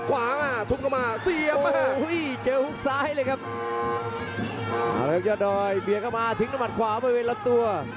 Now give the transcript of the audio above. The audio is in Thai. เวียกลับมาทิ้งต้นมัดขวาบริเวณรับตัว